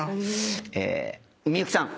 え幸さん。